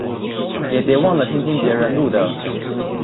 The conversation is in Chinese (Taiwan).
也別忘了聽聽別人錄的